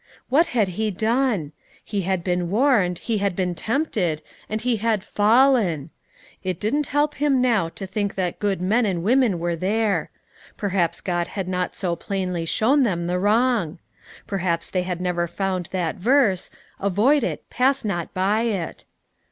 What had he done? He had been warned, he had been tempted, and he had fallen. It didn't help him now to think that good men and women were there. Perhaps God had not so plainly shown them the wrong. Perhaps they had never found that verse: "Avoid it, pass not by it."